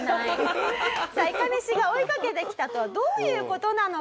さあいかめしが追いかけてきたとはどういう事なのか？